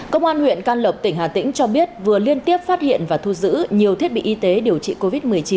công an huyện can lộc tỉnh hà tĩnh cho biết vừa liên tiếp phát hiện và thu giữ nhiều thiết bị y tế điều trị covid một mươi chín